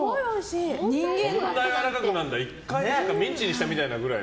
こんなやわらかくなるんだ１回ミンチにしたぐらい。